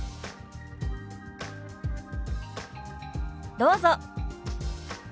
どうぞ。